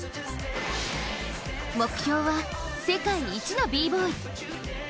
目標は世界一のＢ−ＢＯＹ。